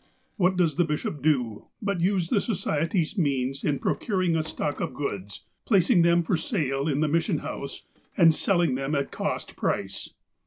What does the bishop do, but use the Society's means in procuring a stock of goods, placing them for sale in the Mission House, and selling them at cost price.